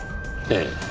ええ。